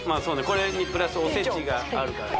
これにプラスおせちがあるから